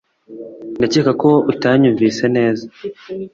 Ndakeka ko utanyumvise neza